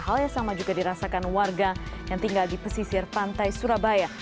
hal yang sama juga dirasakan warga yang tinggal di pesisir pantai surabaya